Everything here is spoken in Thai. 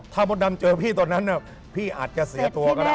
ถ้ามดดำเจอพี่ตอนนั้นพี่อาจจะเสียตัวก็ได้